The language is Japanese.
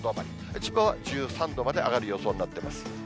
千葉は１３度まで上がる予想になってます。